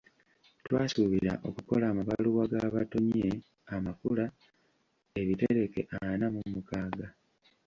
Twasuubira okukola amabaluwa g’abatonye amakula, ebitereke ana mu mukaaga.